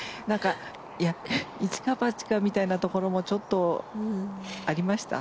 イチかバチかみたいなところもちょっとありました？